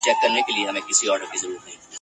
هغې مور ته مي سلام دی چي منظور یې زېږولی ..